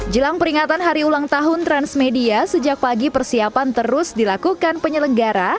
jelang peringatan hari ulang tahun transmedia sejak pagi persiapan terus dilakukan penyelenggara